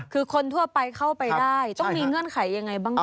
คือคนทั่วไปเข้าไปได้ต้องมีเงื่อนไขยังไงบ้างคะ